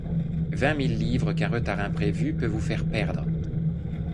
Vingt mille livres qu’un retard imprévu peut vous faire perdre!